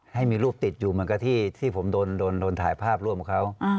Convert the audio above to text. ให้มีรูปติดอยู่เหมือนกับที่ผมโดนถ่ายภาพร่วมเขา